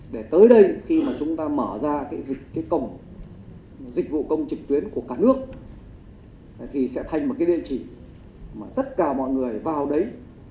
để tới đây khi mà chúng ta mở ra cái dịch cái cổng dịch vụ công trực tuyến của cả nước thì sẽ thành một cái địa chỉ mà tất cả mọi người vào đấy